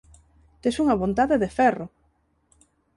Tes unha vontade de ferro.